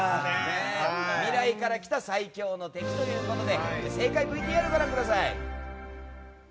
未来から来た最強の敵ということで正解ＶＴＲご覧ください。